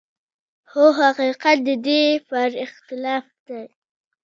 خو حقيقت د دې پرخلاف دی.